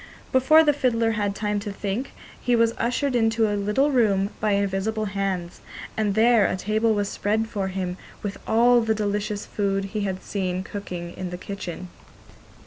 Before the fiddler had time to think, he was ushered into a little room by invisible hands, and there a table was spread for him with all the delicious food he had seen cooking in the kitchen.